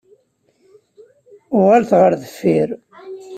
Uɣalet ɣer deffir!